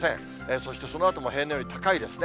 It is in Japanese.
そしてそのあとも平年より高いですね。